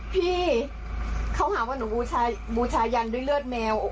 พี่เขาหาว่าหนูบูชายันด้วยเลือดแมว